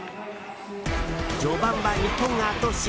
序盤は日本が圧倒し